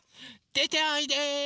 でておいで。